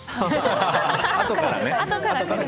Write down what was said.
あとからね。